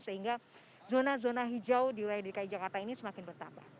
sehingga zona zona hijau di wilayah dki jakarta ini semakin bertambah